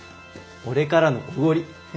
俺からのおごり。